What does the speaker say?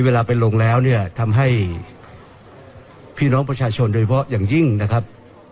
เวลาไปลงแล้วเนี่ยทำให้พี่น้องประชาชนโดยเฉพาะอย่างยิ่งนะครับ